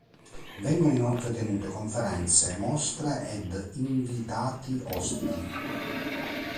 Vengono inoltre tenute conferenze, mostre ed invitati ospiti.